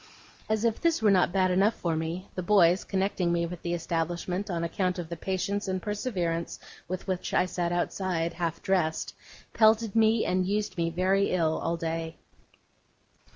As if this were not bad enough for me, the boys, connecting me with the establishment, on account of the patience and perseverance with which I sat outside, half dressed, pelted me, and used me very ill all day.